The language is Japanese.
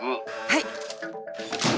はい。